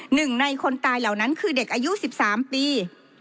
หนึ่งในคนตายเหล่านั้นคือเด็กอายุ๑๓ปี